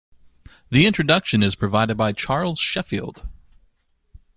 The introduction is provided by Charles Sheffield.